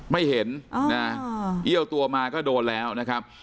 ไม่เห็นนะเอี้ยวตัวมาก็โดนแล้วนะครับ